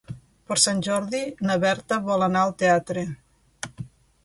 Per Sant Jordi na Berta vol anar al teatre.